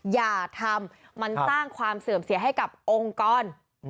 อย่าทำมันสร้างความเสื่อมเสียให้กับองค์กร